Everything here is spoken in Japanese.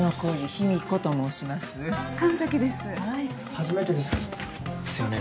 初めてですですよね？